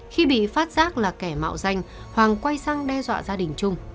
khi bị phát giác là kẻ mạo danh hoàng quay sang đe dọa gia đình trung